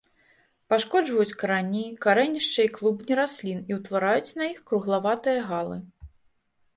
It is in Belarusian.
Пашкоджваюць карані, карэнішчы і клубні раслін і ўтвараюць на іх круглаватыя галы.